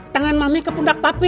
tangan mami ke pundak papi